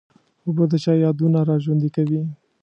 اوبه د چا یادونه را ژوندي کوي.